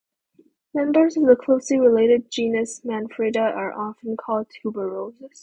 Members of the closely related genus "Manfreda" are often called "tuberoses".